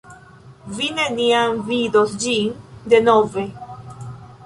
Vi neniam vidos ĝin denove.